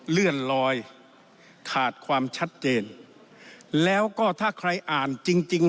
เลื่อนลอยขาดความชัดเจนแล้วก็ถ้าใครอ่านจริงจริง